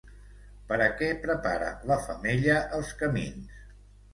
Per a què prepara la femella els camins?